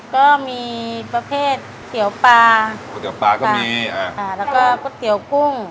ก็มีประเภทเตี๋ยวปลาก๋วยเตี๋ยปลาก็มีอ่าอ่าแล้วก็ก๋วยเตี๋ยวกุ้ง